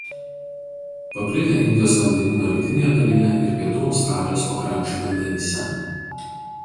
Paplitę Indijos vandenyno rytinėje dalyje ir Pietų Australijos pakrančių vandenyse.